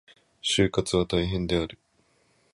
就活は大変である。